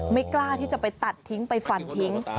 ไม่กล้าที่จะไปตัดทิ้งไปฝันทิ้ง